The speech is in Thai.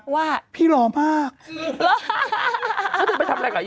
ว่าพี่รอมมาก